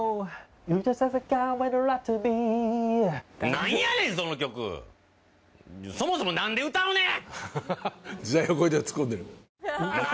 何やねんその曲そもそも何で歌うねん！